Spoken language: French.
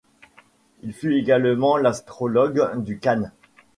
Il fut également l'astrologue du khan.